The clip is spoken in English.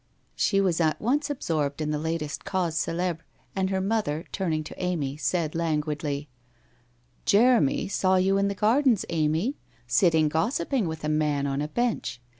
' She was at once absorbed in the latest cause celebre and her mother, turning to Amy, said languidly :' Jeremy saw you in the gardens, Amy, sitting gossip ing with a man on a bench.